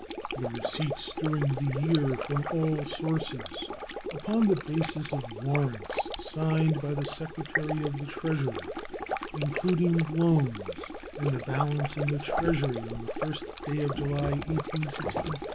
The receipts during the year from all sources, upon the basis of warrants signed by the Secretary of the Treasury, including loans and the balance in the Treasury on the 1st day of July, 1863, were $1,394,796,007.